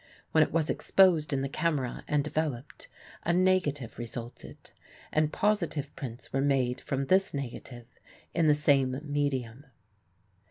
When it was exposed in the camera and developed, a negative resulted, and positive prints were made from this negative in the same medium.